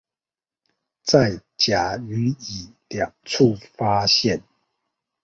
在甲與乙兩處發現